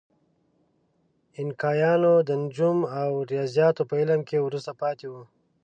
اینکایانو د نجوم او ریاضیاتو په علم کې وروسته پاتې وو.